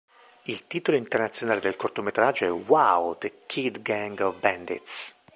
Il titolo internazionale del cortometraggio è Wow, The Kid Gang of Bandits.